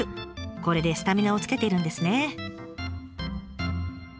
これでスタミナをつけているんですね。